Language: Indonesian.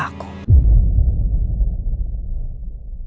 aku harus pergi jauh dari sini